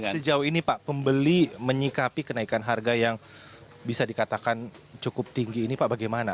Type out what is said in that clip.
sejauh ini pak pembeli menyikapi kenaikan harga yang bisa dikatakan cukup tinggi ini pak bagaimana